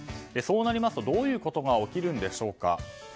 そうなりますとどういうことが起きるのか。